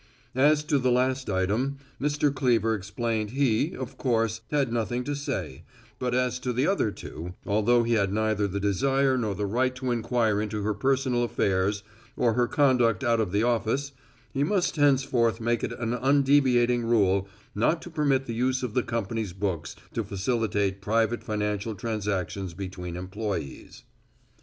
As to the last item, Mr. Cleever explained he, of course, had nothing to say, but as to the other two, although he had neither the desire nor the right to inquire into her personal affairs or her conduct out of the office, he must henceforth make it an undeviating rule not to permit the use of the company's books to facilitate private financial transactions between employes.